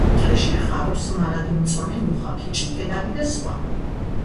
ტყეში ხარობს მარადმწვანე მუხა, ფიჭვი, კედარი და სხვა.